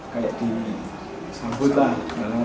kayak disambut lah